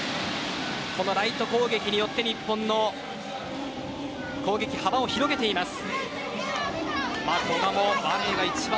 このライト攻撃によって日本の攻撃の幅を広げています。